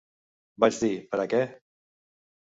Vaig dir "Per a què?"